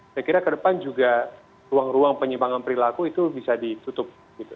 saya kira ke depan juga ruang ruang penyimpangan perilaku itu bisa ditutup